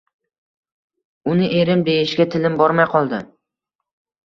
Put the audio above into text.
Uni erim deyishga tilim bormay qoldi